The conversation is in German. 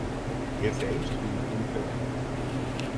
Er selbst blieb unvermählt.